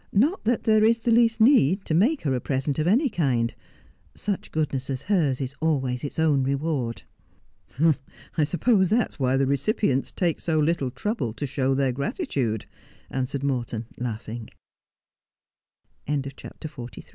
' Not that there is the least need to make her a present of any kind. Such goodness as hers is always its own reward.' ' I suppose that is why the recipients take so little trouble to show their gratitude/ ans